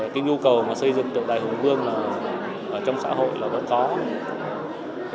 thì cái nhu cầu mà xây dựng tượng đài hùng vương ở trong xã hội là vẫn có